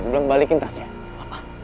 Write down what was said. belum balikin tasnya